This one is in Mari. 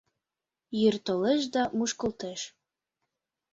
Йӱр толеш да мушкылтеш.